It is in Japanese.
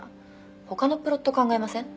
「ほかのプロット考えません？」